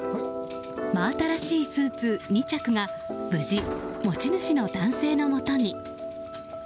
真新しいスーツ２着が無事、持ち主の男性のもとに。